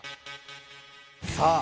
さあ